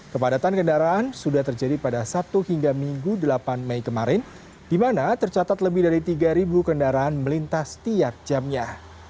kepadatan kendaraan sudah terjadi pada sabtu hingga minggu delapan mei kemarin di mana tercatat lebih dari tiga kendaraan melintas tiap jamnya